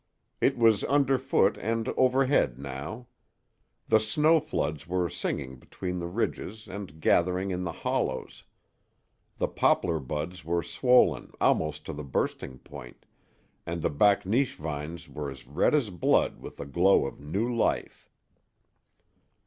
It was underfoot and overhead now. The snow floods were singing between the ridges and gathering in the hollows. The poplar buds were swollen almost to the bursting point, and the bakneesh vines were as red as blood with the glow of new life.